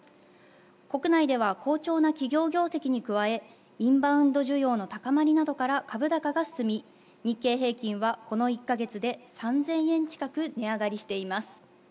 国内では好調な企業業績に加え、インバウンド需要の高まりなどから株高が進み、日経平均はこの１か月で３０００円近く値上がりしています。